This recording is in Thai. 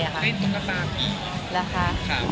ได้ตุ๊กตาพี่